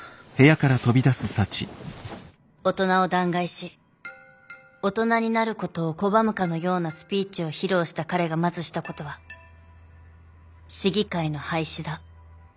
大人を弾劾し大人になることを拒むかのようなスピーチを披露した彼がまずしたことは市議会の廃止だ。